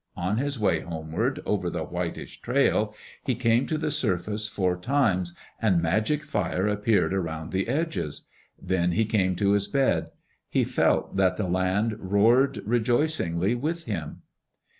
On his way homeward over the whitish trail, he came to the surface four times, and magic fire appeared around the edges. Then he came to his bed. He felt that the land roared rejoicingly with him.